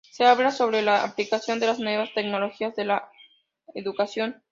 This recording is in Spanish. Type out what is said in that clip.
Se habla sobre la aplicación de las Nuevas Tecnologías a la Educación.